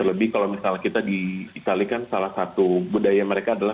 terlebih kalau misalnya kita di italia kan salah satu budaya mereka itu